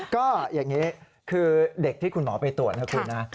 ก็อย่างนี้คือเด็กที่คุณหมอไปตรวจนะคุณนะ